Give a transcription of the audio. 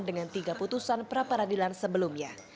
dengan tiga putusan peraparadilan sebelumnya